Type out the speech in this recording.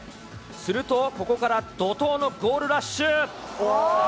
するとここから怒とうのゴールラッシュ。